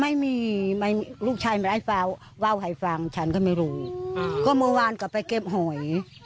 ไม่มีลูกชายเป็นไอ้ไฟ่ว่าไอ้ฟางฉันก็ไม่รู้ก็เมื่อวานก็ไปเก็บหอย